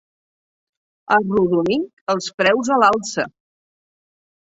Arrodonir els preus a l'alça.